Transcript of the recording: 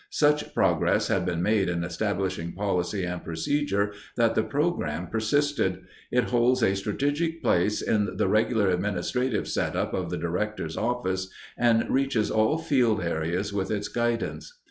Such progress had been made in establishing policy and procedure that the program persisted. It holds a strategic place in the regular administrative set up of the Director's office and reaches all field areas with its guidance.